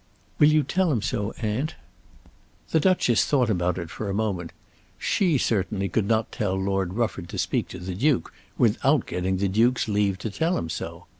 "Will you tell him so, aunt?" The Duchess thought about it for a moment. She certainly could not tell Lord Rufford to speak to the Duke without getting the Duke's leave to tell him so.